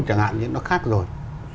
chẳng hạn như nó khác rồi